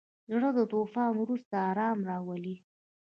زړه د طوفانونو وروسته ارام راولي.